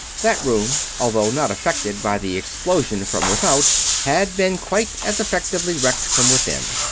That room, although not affected by the explosion from without, had been quite as effectively wrecked from within.